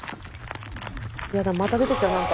やだまた出てきた何か。